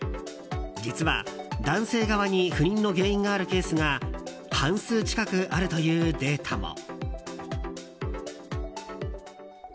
実は、男性側に不妊の原因があるケースが半数近くあるというデータも。